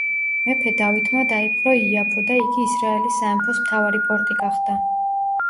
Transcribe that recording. მეფე დავითმა დაიპყრო იაფო და იგი ისრაელის სამეფოს მთავარი პორტი გახდა.